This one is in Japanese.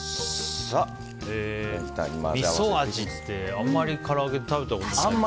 みそ味ってあんまりから揚げで食べたことがない。